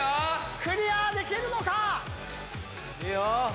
クリアできるのか⁉いいよ。